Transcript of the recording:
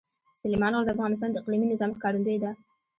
سلیمان غر د افغانستان د اقلیمي نظام ښکارندوی ده.